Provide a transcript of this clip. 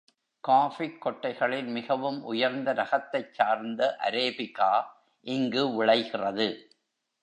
காஃபிக் கொட்டைகளில் மிகவும் உயர்ந்த ரகத்தைச் சார்ந்த அரேபிகா இங்கு விளைகிறது.